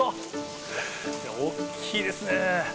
大きいですね。